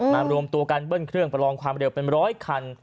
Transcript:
รวมตัวกันเบิ้ลเครื่องประลองความเร็วเป็นร้อยคัน